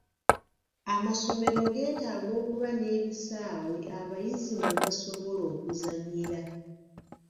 Amasomero geetaaga okuba n'ebisaawe abayizi mwe basobola okuzannyira.